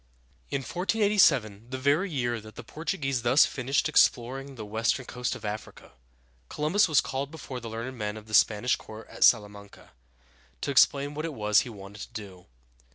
In 1487, the very year that the Portuguese thus finished exploring the western coast of Africa, Columbus was called before the learned men of the Spanish court at Sal a man´ca, to explain what it was he wanted to do.